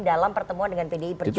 dalam pertemuan dengan pdi perjuangan